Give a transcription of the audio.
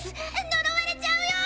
呪われちゃうよ！